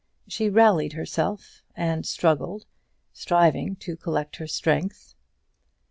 She rallied herself and struggled, striving to collect her strength.